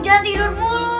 jangan tidur mulu